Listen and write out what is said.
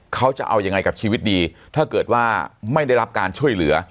เขาจะเอายังไงกับชีวิตดีถ้าเกิดว่าไม่ได้รับการช่วยเหลือ